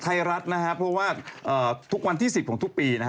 ถูกไทยรัฐนะครับเพราะว่าทุกวันที่๑๐ธุรกิจของทุกปีนะครับ